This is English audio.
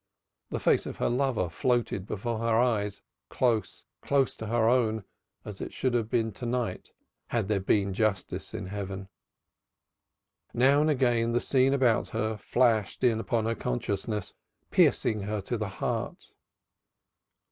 The face of her lover floated before her eyes, close, close to her own as it should have been to night had there been justice in Heaven. Now and again the scene about her flashed in upon her consciousness, piercing her to the heart.